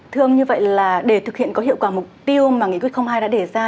thưa ông như vậy là để thực hiện có hiệu quả mục tiêu mà nghị quyết hai đã đề ra